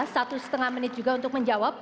satu setengah menit juga untuk menjawab